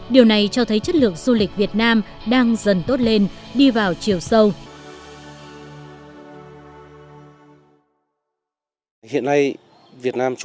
điều này cho thấy chất lượng du lịch việt nam đang dần tốt lên đi vào chiều sâu